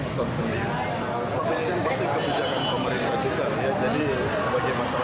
apa keputusan pemerintah